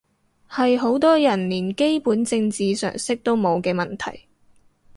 係好多人連基本政治常識都冇嘅問題